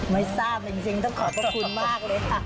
ไม่ทราบจริงต้องขอบพระคุณมากเลยค่ะ